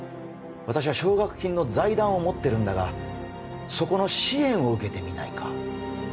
私は奨学金の財団を持ってるんだがそこの支援を受けてみないか？